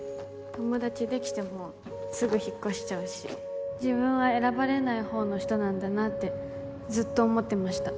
友達できてもすぐ引っ越しちゃうし自分は選ばれないほうの人なんだなってずっと思ってました